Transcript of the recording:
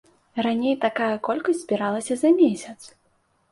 Раней такая колькасць збіралася за месяц.